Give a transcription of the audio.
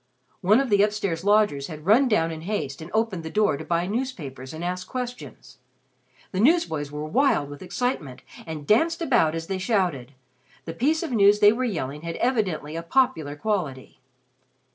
One of the upstairs lodgers had run down in haste and opened the door to buy newspapers and ask questions. The newsboys were wild with excitement and danced about as they shouted. The piece of news they were yelling had evidently a popular quality.